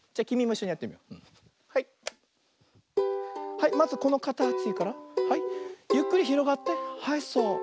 はいまずこのかたちからはいゆっくりひろがってはいそう。